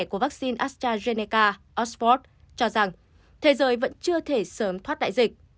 của vaccine astrazeneca osport cho rằng thế giới vẫn chưa thể sớm thoát đại dịch